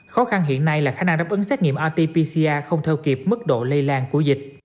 khó khăn hiện nay là khả năng đáp ứng xét nghiệm rt pcca không theo kịp mức độ lây lan của dịch